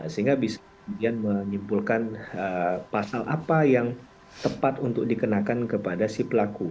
sehingga bisa menyimpulkan pasal apa yang tepat untuk dikenakan kepada si pelaku